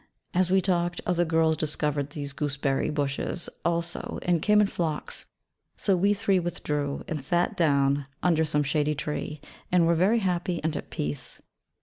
As we talked other girls discovered these gooseberry bushes also, and came in flocks: so we three withdrew, and sat down under some shady tree, and were very happy and at peace.